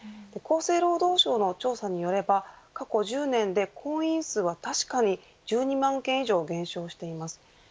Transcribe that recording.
厚生労働省の調査によれば過去１０年で婚姻数は確かに１２万件以上減少しています。